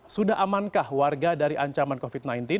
sudah amankah warga dari ancaman covid sembilan belas